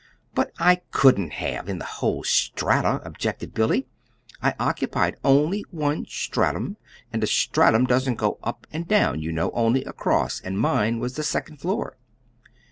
"But I couldn't have in the whole Strata," objected Billy. "I occupied only one stratum, and a stratum doesn't go up and down, you know, only across; and mine was the second floor."